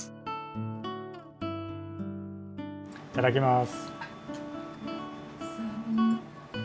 いただきます。